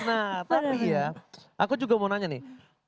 nah tapi ya aku juga mau nanya nih